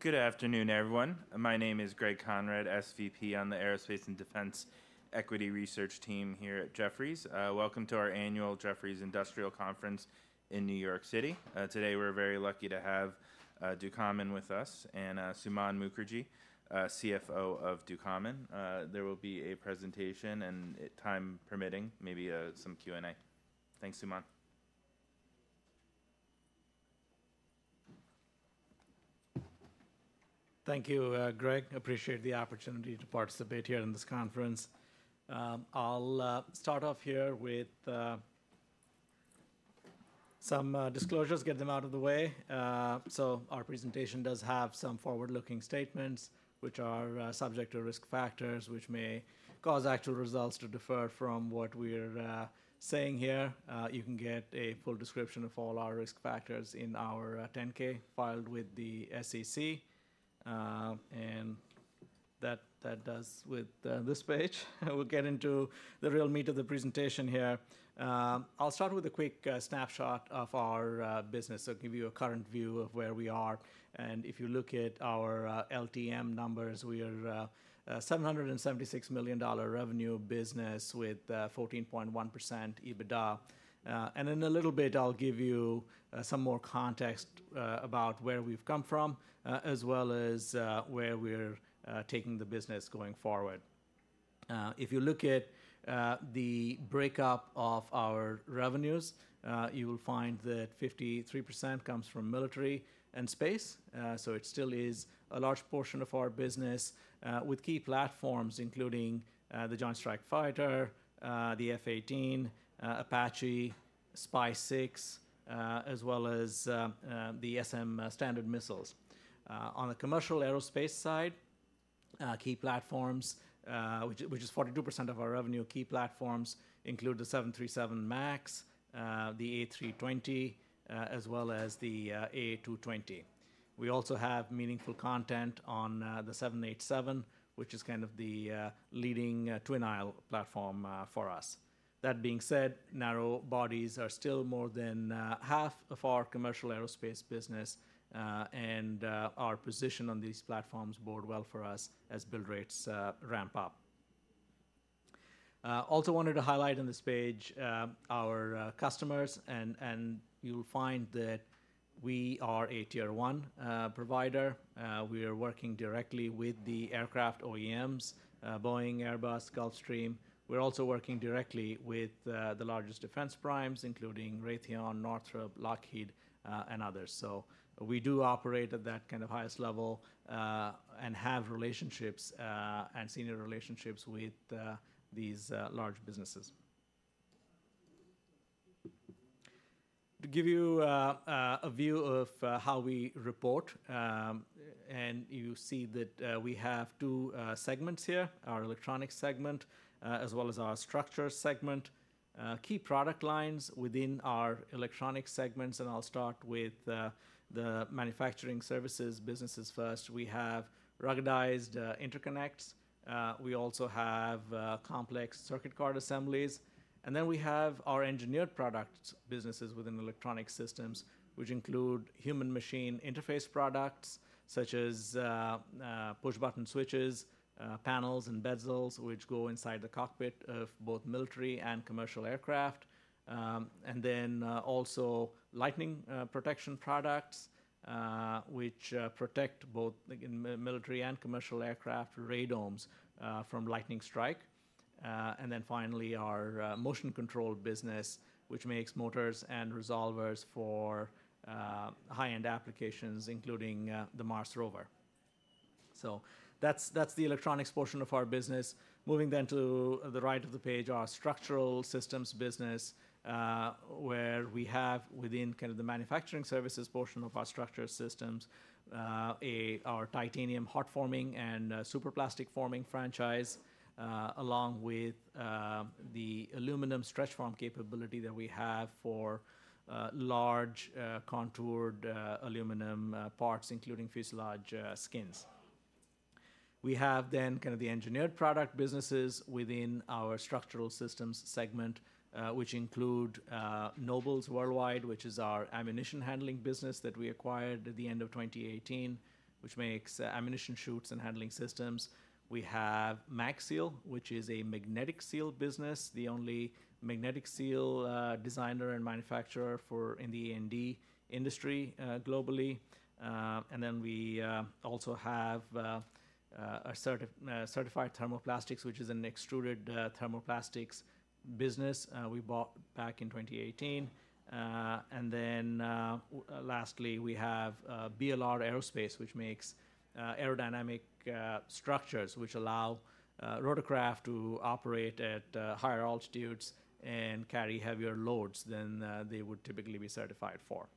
Good afternoon, everyone. My name is Greg Konrad, SVP on the Aerospace and Defense Equity Research Team here at Jefferies. Welcome to our annual Jefferies Industrial Conference in New York City. Today, we're very lucky to have Ducommun with us, and Suman Mookerji, CFO of Ducommun. There will be a presentation, and time permitting, maybe some Q&A. Thanks, Suman. Thank you, Greg. Appreciate the opportunity to participate here in this conference. I'll start off here with some disclosures, get them out of the way. So our presentation does have some forward-looking statements, which are subject to risk factors, which may cause actual results to differ from what we're saying here. You can get a full description of all our risk factors in our 10-K filed with the SEC. And that does with this page, we'll get into the real meat of the presentation here. I'll start with a quick snapshot of our business, so give you a current view of where we are. And if you look at our LTM numbers, we are a $776 million revenue business with 14.1% EBITDA. And in a little bit, I'll give you some more context about where we've come from, as well as where we're taking the business going forward. If you look at the breakup of our revenues, you will find that 53% comes from military and space. So it still is a large portion of our business with key platforms, including the Joint Strike Fighter, the F/A-18, Apache, SPY-6, as well as the ESSM, Standard Missiles. On the commercial aerospace side, key platforms, which is 42% of our revenue, key platforms include the 737 MAX, the A320, as well as the A220. We also have meaningful content on the 787, which is kind of the leading twin-aisle platform for us. That being said, narrow bodies are still more than half of our commercial aerospace business, and our position on these platforms bode well for us as build rates ramp up. Also wanted to highlight on this page our customers, and you'll find that we are a tier one provider. We are working directly with the aircraft OEMs, Boeing, Airbus, Gulfstream. We're also working directly with the largest defense primes, including Raytheon, Northrop, Lockheed, and others, so we do operate at that kind of highest level, and have relationships and senior relationships with these large businesses. To give you a view of how we report, and you see that we have two segments here, our electronics segment as well as our structure segment. Key product lines within our electronics segments, and I'll start with the manufacturing services businesses first. We have ruggedized interconnects. We also have complex circuit card assemblies, and then we have our engineered products businesses within electronic systems, which include human machine interface products, such as push-button switches, panels, and bezels, which go inside the cockpit of both military and commercial aircraft. And then also lightning protection products, which protect both the military and commercial aircraft radomes from lightning strike. And then finally, our motion control business, which makes motors and resolvers for high-end applications, including the Mars Rover. So that's the electronics portion of our business. Moving then to the right of the page, our structural systems business, where we have within kind of the manufacturing services portion of our structural systems, our titanium hot forming and superplastic forming franchise, along with the aluminum stretch forming capability that we have for large contoured aluminum parts, including fuselage skins. We have then kind of the engineered product businesses within our structural systems segment, which include Nobles Worldwide, which is our ammunition handling business that we acquired at the end of 2018, which makes ammunition chutes and handling systems. We have MagSeal, which is a magnetic seal business, the only magnetic seal designer and manufacturer for in the A&D industry globally. And then we also have Certified Thermoplastics, which is an extruded thermoplastics business we bought back in 2018. And then lastly, we have BLR Aerospace, which makes aerodynamic structures which allow rotorcraft to operate at higher altitudes and carry heavier loads than they would typically be certified for.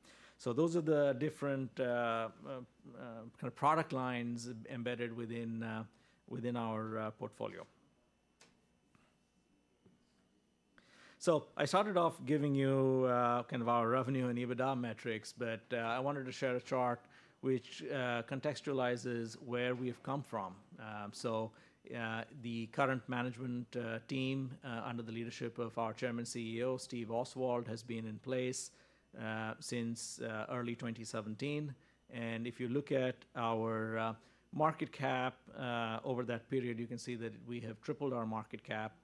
So those are the different kind of product lines embedded within our portfolio. So I started off giving you kind of our revenue and EBITDA metrics, but I wanted to share a chart which contextualizes where we've come from. The current management team under the leadership of our Chairman and CEO, Steve Oswald, has been in place since early 2017. If you look at our market cap over that period, you can see that we have tripled our market cap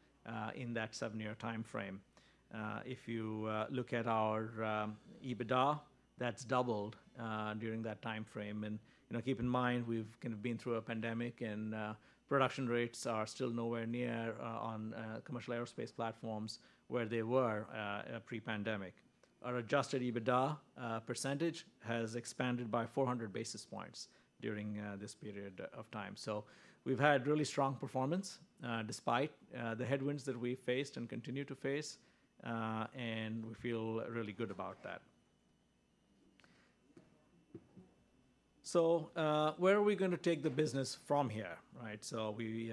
in that seven-year timeframe. If you look at our EBITDA, that's doubled during that timeframe. And, you know, keep in mind, we've kind of been through a pandemic and production rates are still nowhere near on commercial aerospace platforms where they were pre-pandemic. Our adjusted EBITDA percentage has expanded by four hundred basis points during this period of time. We've had really strong performance despite the headwinds that we've faced and continue to face and we feel really good about that. So, where are we gonna take the business from here, right? So we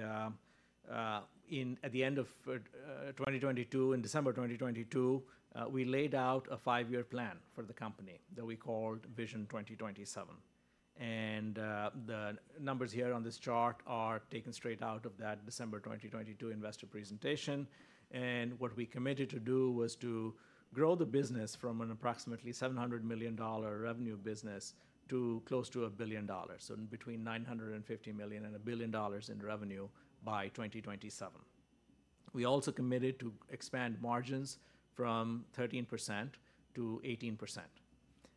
at the end of 2022, in December 2022, we laid out a five-year plan for the company that we called Vision 2027. And, the numbers here on this chart are taken straight out of that December 2022 investor presentation. And what we committed to do was to grow the business from an approximately $700 million dollar revenue business to close to a billion dollars, so between $950 million and $1 billion in revenue by 2027. We also committed to expand margins from 13%-18%.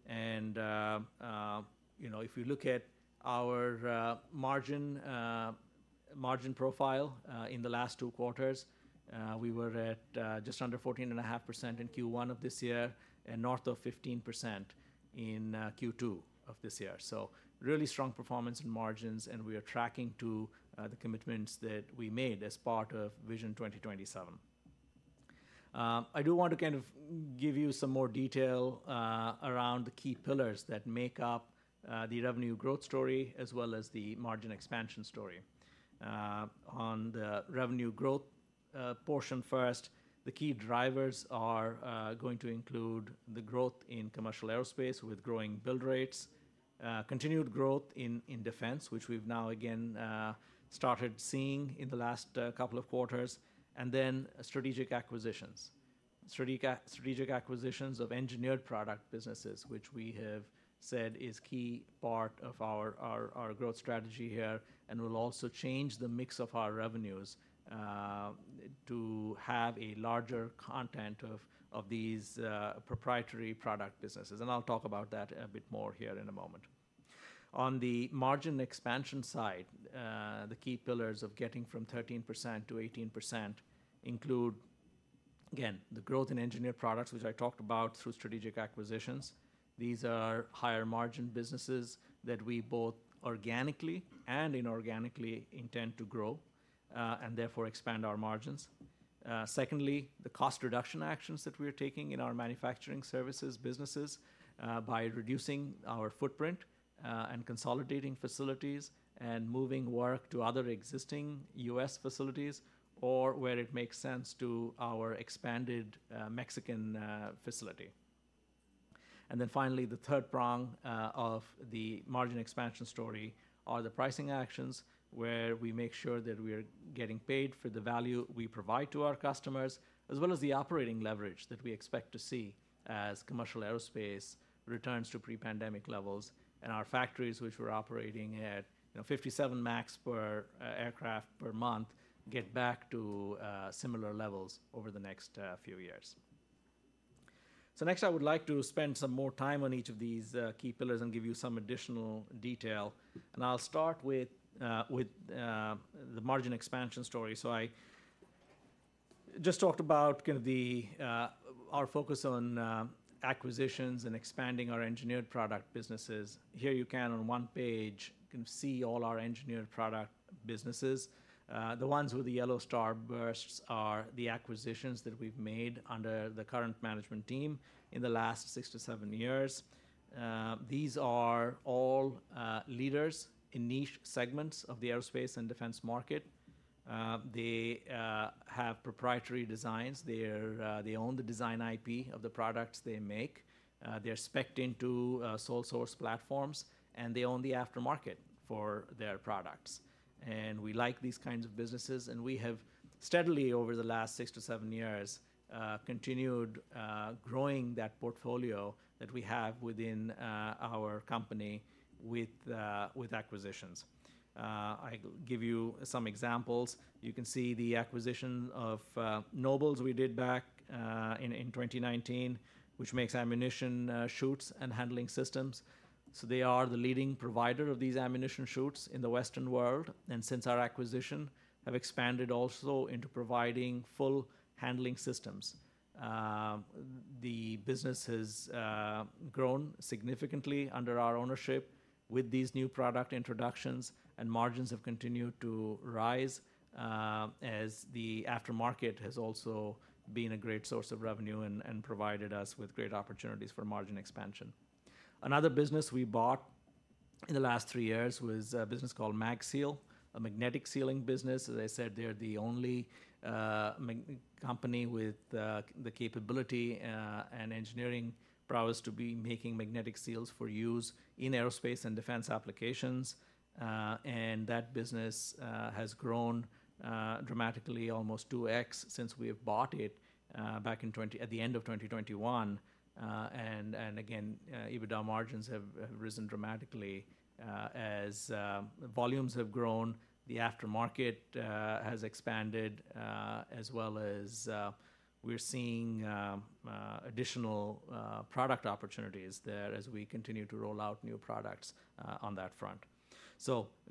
And, you know, if you look at our margin profile in the last two quarters, we were at just under 14.5% in Q1 of this year and north of 15% in Q2 of this year. So really strong performance in margins, and we are tracking to the commitments that we made as part of Vision 2027. I do want to kind of give you some more detail around the key pillars that make up the revenue growth story, as well as the margin expansion story. On the revenue growth portion first, the key drivers are going to include the growth in commercial aerospace with growing build rates, continued growth in defense, which we've now again started seeing in the last couple of quarters, and then strategic acquisitions. Strategic acquisitions of engineered product businesses, which we have said is key part of our growth strategy here, and will also change the mix of our revenues to have a larger content of these proprietary product businesses, and I'll talk about that a bit more here in a moment. On the margin expansion side, the key pillars of getting from 13%-18% include, again, the growth in engineered products, which I talked about through strategic acquisitions. These are higher margin businesses that we both organically and inorganically intend to grow, and therefore expand our margins. Secondly, the cost reduction actions that we are taking in our manufacturing services businesses, by reducing our footprint, and consolidating facilities, and moving work to other existing U.S. facilities, or where it makes sense, to our expanded Mexican facility, and then finally, the third prong of the margin expansion story are the pricing actions, where we make sure that we are getting paid for the value we provide to our customers, as well as the operating leverage that we expect to see as commercial aerospace returns to pre-pandemic levels, and our factories, which we're operating at, you know, 57 MAX per aircraft per month, get back to similar levels over the next few years. So next, I would like to spend some more time on each of these key pillars and give you some additional detail. And I'll start with the margin expansion story. So I just talked about kind of our focus on acquisitions and expanding our engineered product businesses. Here, on one page, you can see all our engineered product businesses. The ones with the yellow starbursts are the acquisitions that we've made under the current management team in the last six-to-seven years. These are all leaders in niche segments of the aerospace and defense market. They have proprietary designs. They own the design IP of the products they make. They're spec'd into sole source platforms, and they own the aftermarket for their products. And we like these kinds of businesses, and we have steadily, over the last six to seven years, continued growing that portfolio that we have within our company with acquisitions. I give you some examples. You can see the acquisition of Nobles we did back in 2019, which makes ammunition chutes and handling systems. So they are the leading provider of these ammunition chutes in the Western world, and since our acquisition, have expanded also into providing full handling systems. The business has grown significantly under our ownership with these new product introductions, and margins have continued to rise as the aftermarket has also been a great source of revenue and provided us with great opportunities for margin expansion. Another business we bought-... In the last three years was a business called MagSeal, a magnetic sealing business. As I said, they're the only mag company with the capability and engineering prowess to be making magnetic seals for use in aerospace and defense applications. And that business has grown dramatically, almost two X since we have bought it back in twenty twenty-one. And again, EBITDA margins have risen dramatically as volumes have grown, the aftermarket has expanded as well as we're seeing additional product opportunities there as we continue to roll out new products on that front.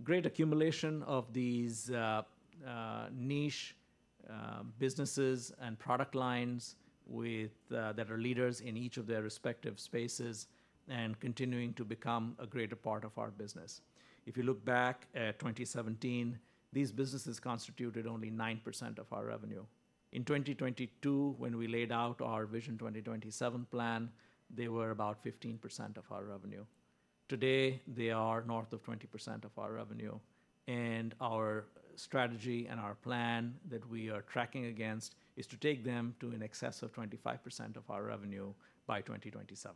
Great accumulation of these niche businesses and product lines with that are leaders in each of their respective spaces and continuing to become a greater part of our business. If you look back at 2017, these businesses constituted only 9% of our revenue. In 2022, when we laid out our Vision 2027 plan, they were about 15% of our revenue. Today, they are north of 20% of our revenue, and our strategy and our plan that we are tracking against is to take them to in excess of 25% of our revenue by 2027.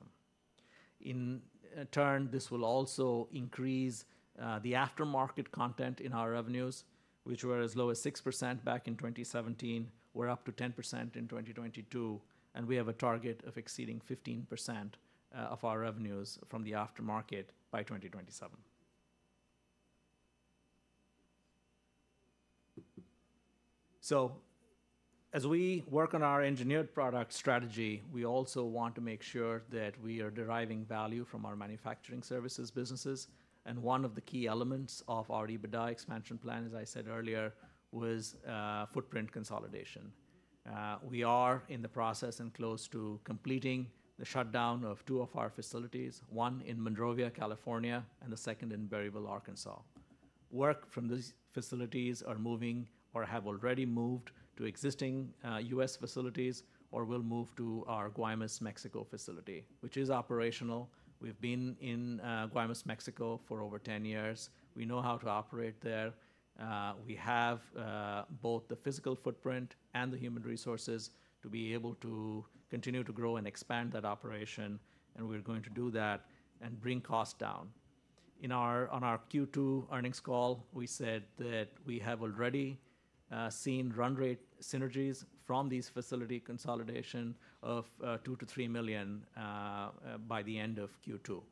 In turn, this will also increase the aftermarket content in our revenues, which were as low as 6% back in 2017. We're up to 10% in 2022, and we have a target of exceeding 15% of our revenues from the aftermarket by 2027, so as we work on our engineered product strategy, we also want to make sure that we are deriving value from our manufacturing services businesses, and one of the key elements of our EBITDA expansion plan, as I said earlier, was footprint consolidation. We are in the process and close to completing the shutdown of two of our facilities, one in Monrovia, California, and the second in Berryville, Arkansas. Work from these facilities are moving or have already moved to existing U.S. facilities, or will move to our Guaymas, Mexico, facility, which is operational. We've been in Guaymas, Mexico, for over 10 years. We know how to operate there. We have both the physical footprint and the human resources to be able to continue to grow and expand that operation, and we're going to do that and bring costs down. On our Q2 earnings call, we said that we have already seen run rate synergies from these facility consolidation of $2 million-$3 million by the end of Q2.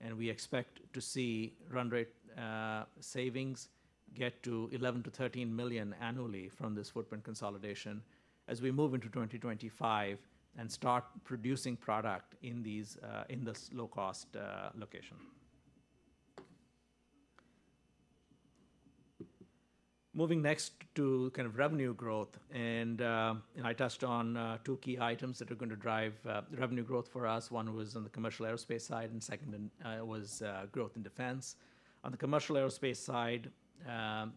And we expect to see run rate savings get to $11 million-$13 million annually from this footprint consolidation as we move into 2025 and start producing product in these in this low-cost location. Moving next to kind of revenue growth, and and I touched on two key items that are going to drive the revenue growth for us. One was on the commercial aerospace side, and second was growth in defense. On the commercial aerospace side,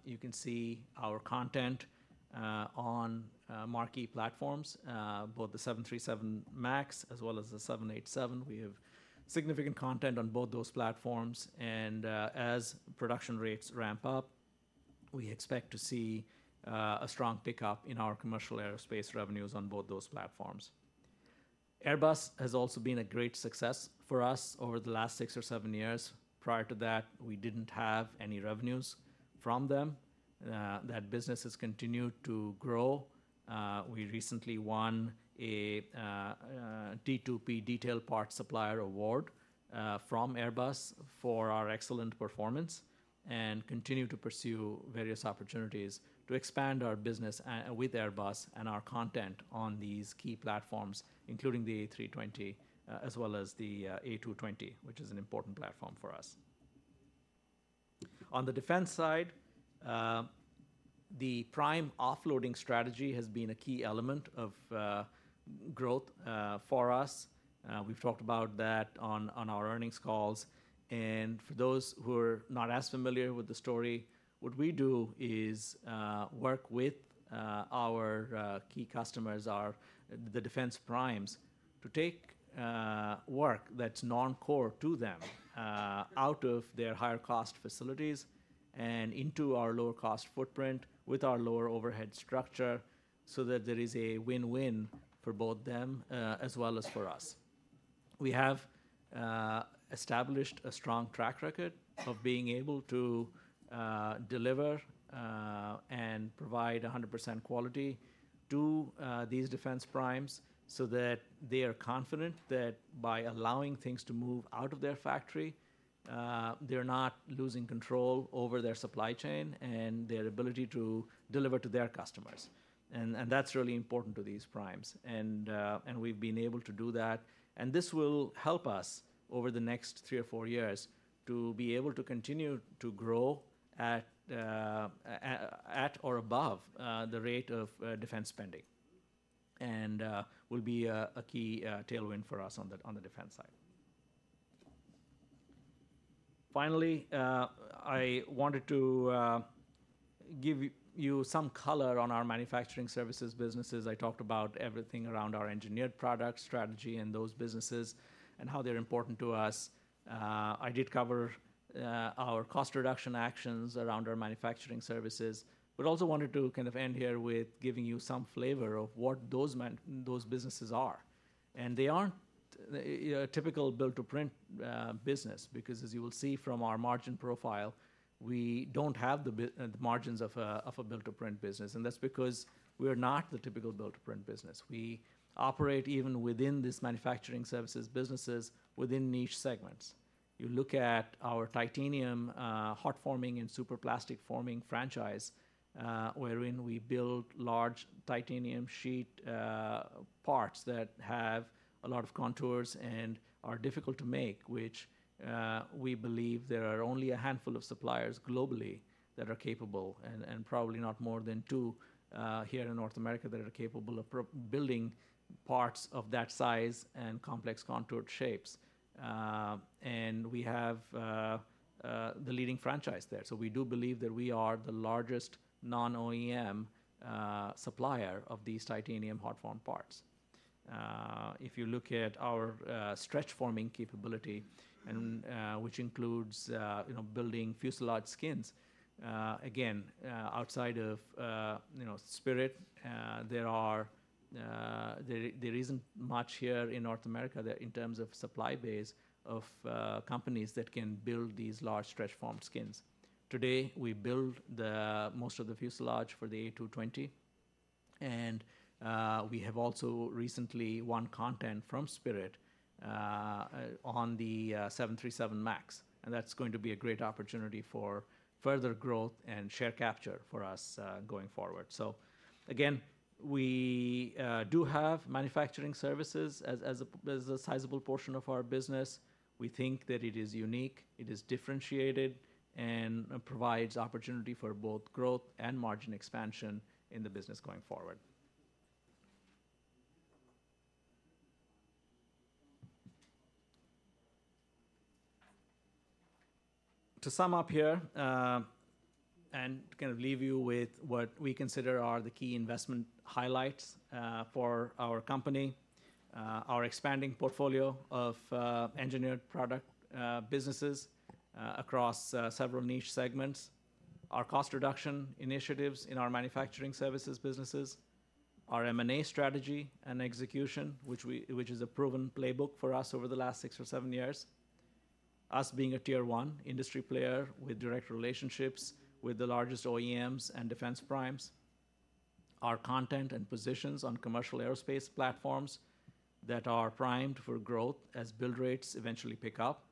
you can see our content on marquee platforms, both the 737 MAX as well as the 787. We have significant content on both those platforms, and as production rates ramp up, we expect to see a strong pickup in our commercial aerospace revenues on both those platforms. Airbus has also been a great success for us over the last six or seven years. Prior to that, we didn't have any revenues from them. That business has continued to grow. We recently won a D2P Detailed Parts Partner award from Airbus for our excellent performance and continue to pursue various opportunities to expand our business with Airbus and our content on these key platforms, including the A320, as well as the A220, which is an important platform for us. On the defense side, the prime offloading strategy has been a key element of growth for us. We've talked about that on our earnings calls. For those who are not as familiar with the story, what we do is work with our key customers, the defense primes, to take work that's non-core to them out of their higher-cost facilities and into our lower-cost footprint with our lower overhead structure, so that there is a win-win for both them as well as for us. We have established a strong track record of being able to deliver and provide 100% quality to these defense primes so that they are confident that by allowing things to move out of their factory, they're not losing control over their supply chain and their ability to deliver to their customers. That's really important to these primes, and we've been able to do that. And this will help us over the next three or four years to be able to continue to grow at or above the rate of defense spending and will be a key tailwind for us on the defense side. Finally, I wanted to give you some color on our manufacturing services businesses. I talked about everything around our engineered products strategy and those businesses, and how they're important to us. I did cover our cost reduction actions around our manufacturing services, but also wanted to kind of end here with giving you some flavor of what those businesses are. And they aren't, you know, a typical build-to-print business, because as you will see from our margin profile, we don't have the margins of a build-to-print business, and that's because we are not the typical build-to-print business. We operate even within this manufacturing services businesses, within niche segments. You look at our titanium hot forming and superplastic forming franchise, wherein we build large titanium sheet parts that have a lot of contours and are difficult to make, which we believe there are only a handful of suppliers globally that are capable, and probably not more than two here in North America that are capable of building parts of that size and complex contoured shapes. And we have the leading franchise there. So we do believe that we are the largest non-OEM supplier of these titanium hot-formed parts. If you look at our stretch forming capability and which includes you know building fuselage skins again outside of you know Spirit there isn't much here in North America that in terms of supply base of companies that can build these large stretch form skins. Today we build the most of the fuselage for the A220, and we have also recently won content from Spirit on the 737 MAX, and that's going to be a great opportunity for further growth and share capture for us going forward. So again we do have manufacturing services as a sizable portion of our business. We think that it is unique, it is differentiated, and provides opportunity for both growth and margin expansion in the business going forward. To sum up here, and kind of leave you with what we consider are the key investment highlights, for our company. Our expanding portfolio of engineered products businesses across several niche segments. Our cost reduction initiatives in our manufacturing services businesses. Our M&A strategy and execution, which is a proven playbook for us over the last six or seven years. Us being a Tier One industry player with direct relationships with the largest OEMs and defense primes. Our content and positions on commercial aerospace platforms that are primed for growth as build rates eventually pick up.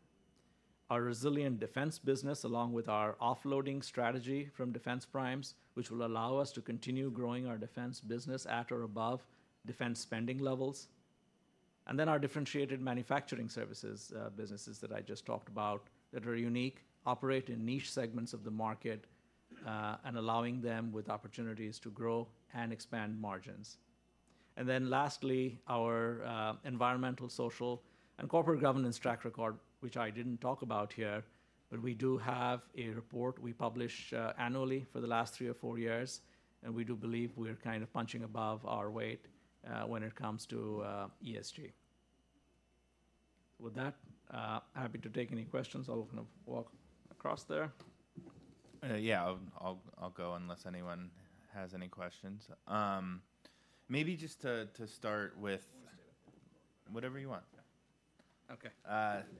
Our resilient defense business, along with our offloading strategy from defense primes, which will allow us to continue growing our defense business at or above defense spending levels, and then our differentiated manufacturing services, businesses that I just talked about, that are unique, operate in niche segments of the market, and allowing them with opportunities to grow and expand margins, and then lastly, our environmental, social, and corporate governance track record, which I didn't talk about here, but we do have a report we publish annually for the last three or four years, and we do believe we are kind of punching above our weight when it comes to ESG. With that, happy to take any questions. I'll kind of walk across there. Yeah, I'll go unless anyone has any questions. Maybe just to start with- You want to stay there. Whatever you want. Okay. Uh-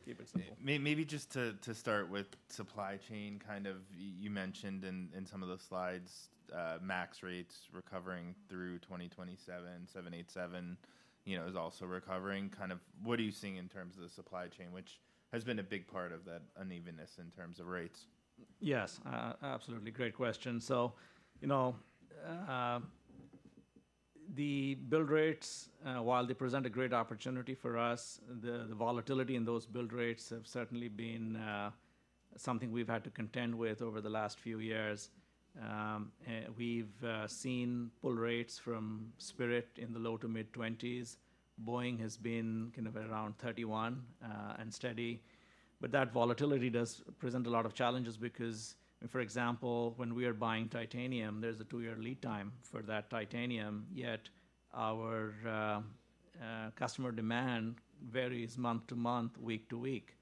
Keep it simple. Maybe just to start with supply chain. Kind of you mentioned in some of the slides, MAX rates recovering through twenty twenty-seven, seven eight seven, you know, is also recovering. Kind of, what are you seeing in terms of the supply chain, which has been a big part of that unevenness in terms of rates? Yes, absolutely. Great question. So, you know, the build rates, while they present a great opportunity for us, the volatility in those build rates have certainly been something we've had to contend with over the last few years. And we've seen build rates from Spirit in the low to mid-twenties. Boeing has been kind of around 31, and steady, but that volatility does present a lot of challenges because, for example, when we are buying titanium, there's a two-year lead time for that titanium, yet our customer demand varies month to month, week to week.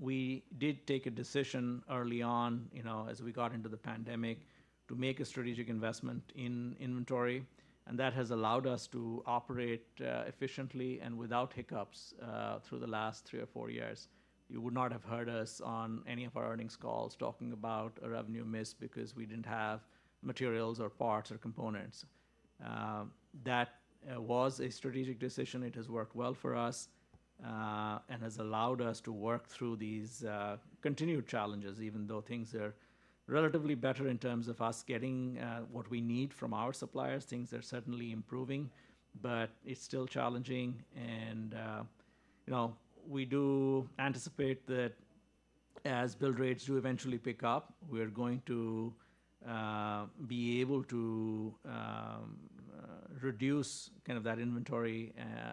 We did take a decision early on, you know, as we got into the pandemic, to make a strategic investment in inventory, and that has allowed us to operate efficiently and without hiccups through the last three or four years. You would not have heard us on any of our earnings calls talking about a revenue miss, because we didn't have materials or parts or components. That was a strategic decision. It has worked well for us, and has allowed us to work through these continued challenges, even though things are relatively better in terms of us getting what we need from our suppliers. Things are certainly improving, but it's still challenging. And, you know, we do anticipate that as build rates do eventually pick up, we're going to be able to reduce kind of that inventory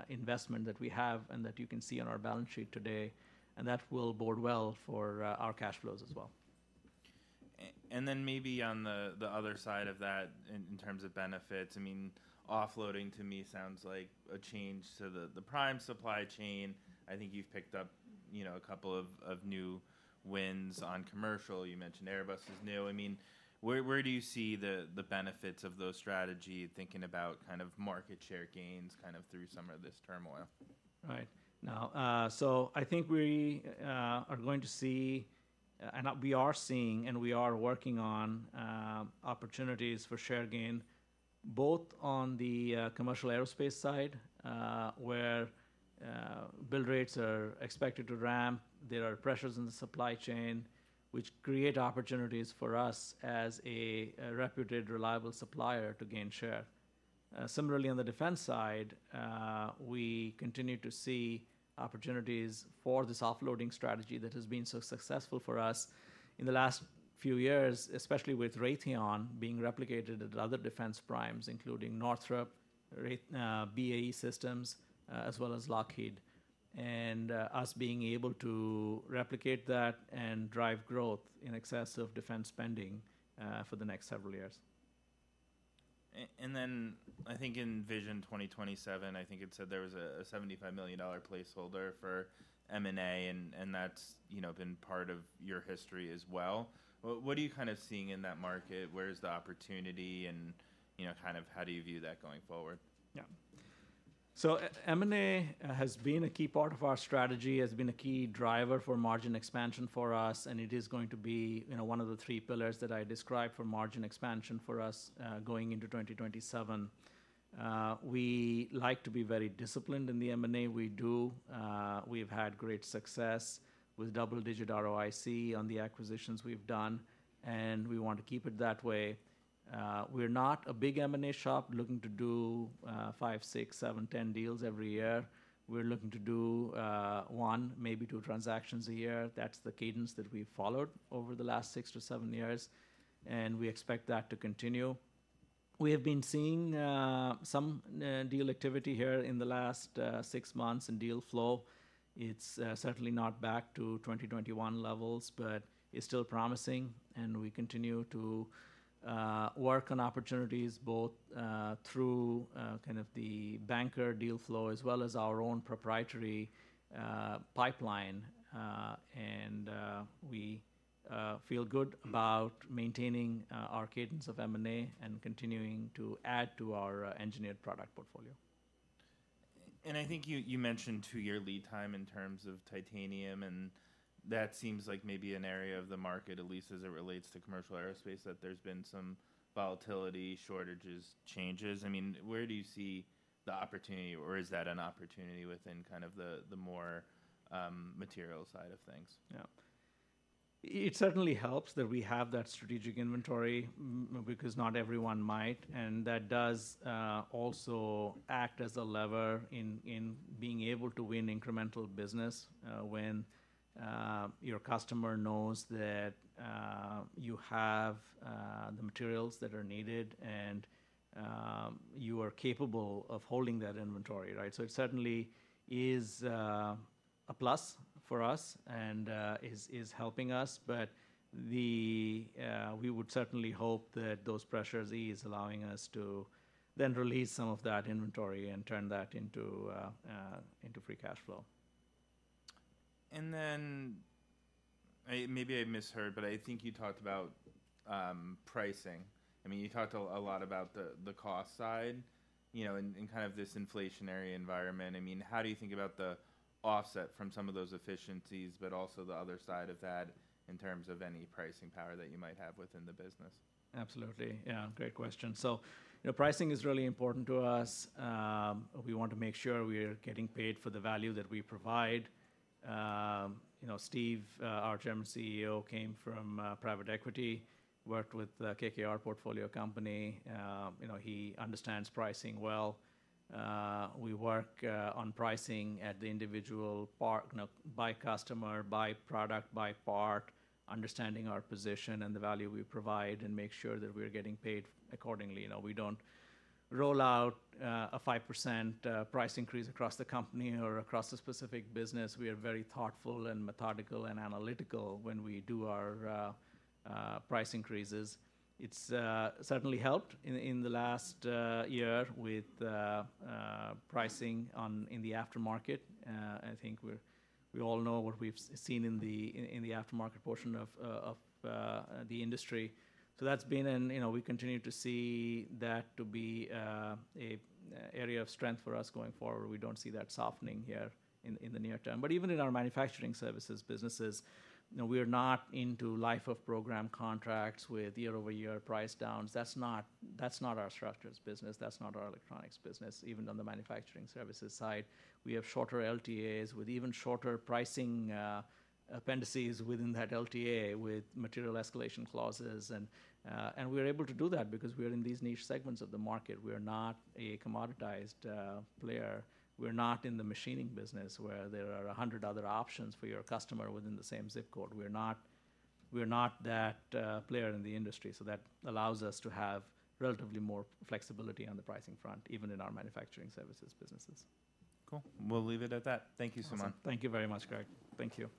investment that we have and that you can see on our balance sheet today, and that will bode well for our cash flows as well. And then maybe on the other side of that, in terms of benefits, I mean, offloading to me sounds like a change to the prime supply chain. I think you've picked up, you know, a couple of new wins on commercial. You mentioned Airbus is new. I mean, where do you see the benefits of those strategy, thinking about kind of market share gains, kind of through some of this turmoil? Right. Now, so I think we are going to see, and we are seeing, and we are working on opportunities for share gain, both on the commercial aerospace side, where build rates are expected to ramp. There are pressures in the supply chain, which create opportunities for us as a reputed, reliable supplier to gain share. Similarly, on the defense side, we continue to see opportunities for this offloading strategy that has been so successful for us in the last few years, especially with Raytheon being replicated at other defense primes, including Northrop, Raytheon, BAE Systems, as well as Lockheed, and us being able to replicate that and drive growth in excess of defense spending, for the next several years. And then I think in Vision 2027, I think it said there was a $75 million placeholder for M&A, and that's, you know, been part of your history as well. What are you kind of seeing in that market? Where is the opportunity? And, you know, kind of, how do you view that going forward? Yeah, so M&A has been a key part of our strategy, has been a key driver for margin expansion for us, and it is going to be, you know, one of the three pillars that I described for margin expansion for us, going into 2027. We like to be very disciplined in the M&A. We do, we've had great success with double-digit ROIC on the acquisitions we've done, and we want to keep it that way. We're not a big M&A shop looking to do, five, six, seven, 10 deals every year. We're looking to do, one, maybe two transactions a year. That's the cadence that we've followed over the last six to seven years, and we expect that to continue. We have been seeing some deal activity here in the last six months in deal flow. It's certainly not back to 2021 levels, but it's still promising, and we continue to work on opportunities both through kind of the banker deal flow, as well as our own proprietary pipeline. And we feel good about maintaining our cadence of M&A and continuing to add to our engineered product portfolio. And I think you mentioned two-year lead time in terms of titanium, and that seems like maybe an area of the market, at least as it relates to commercial aerospace, that there's been some volatility, shortages, changes. I mean, where do you see the opportunity, or is that an opportunity within kind of the more material side of things? Yeah. It certainly helps that we have that strategic inventory because not everyone might, and that does also act as a lever in being able to win incremental business when your customer knows that you have the materials that are needed and you are capable of holding that inventory, right? So it certainly is a plus for us and is helping us. But we would certainly hope that those pressures ease, allowing us to then release some of that inventory and turn that into free cash flow. Then, maybe I misheard, but I think you talked about pricing. I mean, you talked a lot about the cost side, you know, in kind of this inflationary environment. I mean, how do you think about the offset from some of those efficiencies, but also the other side of that in terms of any pricing power that you might have within the business? Absolutely. Yeah, great question. So, you know, pricing is really important to us. We want to make sure we are getting paid for the value that we provide. You know, Steve, our Chairman CEO, came from private equity, worked with KKR portfolio company. You know, he understands pricing well. We work on pricing at the individual part, you know, by customer, by product, by part, understanding our position and the value we provide, and make sure that we are getting paid accordingly. You know, we don't roll out a 5% price increase across the company or across a specific business. We are very thoughtful and methodical and analytical when we do our price increases. It's certainly helped in the last year with pricing in the aftermarket. I think we all know what we've seen in the aftermarket portion of the industry. So that's been an... You know, we continue to see that to be an area of strength for us going forward. We don't see that softening here in the near term. But even in our manufacturing services businesses, you know, we are not into life-of-program contracts with year-over-year price downs. That's not, that's not our structures business, that's not our electronics business. Even on the manufacturing services side, we have shorter LTAs with even shorter pricing appendices within that LTA with material escalation clauses. And we're able to do that because we are in these niche segments of the market. We are not a commoditized player. We're not in the machining business, where there are a hundred other options for your customer within the same zip code. We're not, we're not that player in the industry, so that allows us to have relatively more flexibility on the pricing front, even in our manufacturing services businesses. Cool. We'll leave it at that. Thank you, Suman. Awesome. Thank you very much, Greg. Thank you.